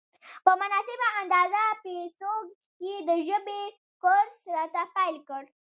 په مناسبه اندازه پیسو یې د ژبې کورس راته پېل کړ.